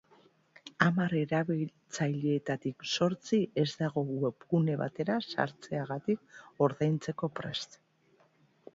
Hamar erabiltzaileetatik zortzi ez dago webgune batera sartzeagatik ordaintzeko prest.